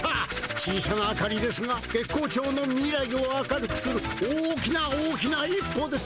小さな明かりですが月光町の未来を明るくする大きな大きな一歩です。